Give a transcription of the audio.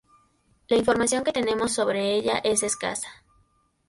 La información que tenemos sobre ella es escasa.